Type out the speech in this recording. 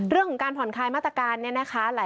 เรื่องของการผ่อนคลายมาตรการเนี่ยนะคะ